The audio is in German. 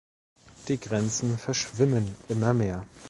Die Grenzen verschwimmen immer mehr.